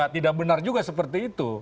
tidak benar juga seperti itu